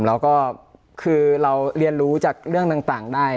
แล้วก็คือเราเรียนรู้จากเรื่องต่างได้